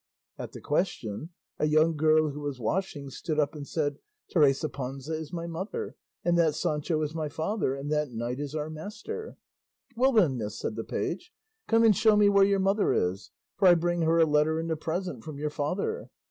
At the question a young girl who was washing stood up and said, "Teresa Panza is my mother, and that Sancho is my father, and that knight is our master." "Well then, miss," said the page, "come and show me where your mother is, for I bring her a letter and a present from your father."